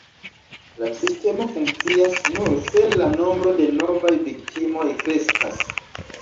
La sistemo funkcias nur se la nombro de novaj viktimoj kreskas.